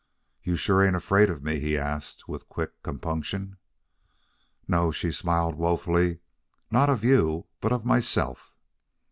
"You sure ain't afraid of me?" he asked, with quick compunction. "No." She smiled woefully. "Not of you, but of myself."